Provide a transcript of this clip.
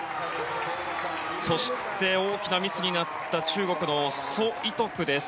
そして、大きなミスになった中国のソ・イトクです。